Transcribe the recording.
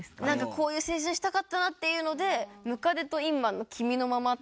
こういう青春したかったなっていうので百足と韻マンの『君のまま』っていう曲が。